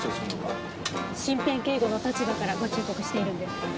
身辺警護の立場からご忠告しているんです。